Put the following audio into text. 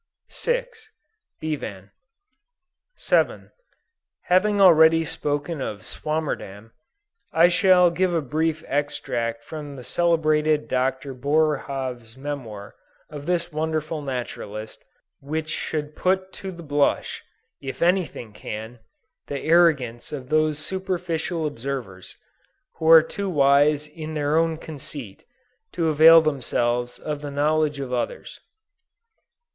Bevan. Having already spoken of Swammerdam, I shall give a brief extract from the celebrated Dr. Boerhaave's memoir of this wonderful naturalist, which should put to the blush, if any thing can, the arrogance of those superficial observers who are too wise in their own conceit, to avail themselves of the knowledge of others.